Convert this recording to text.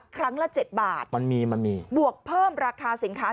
ครั้งละ๗บาทบวกเพิ่มราคาสินค้า